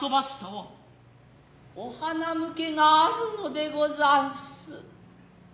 おはなむけがあるのでござんす。